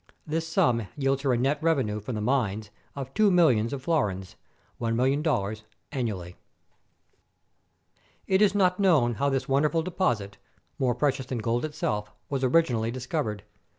This sum yields her a net revenue from the mines of two millions of florins ($1,000,000) annually. It is not known how this wonderful deposit — more precious than gold itself — was originally discovered.